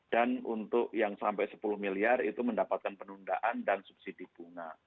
dan untuk yang sampai sepuluh miliar itu mendapatkan penundaan dan subsidi bunga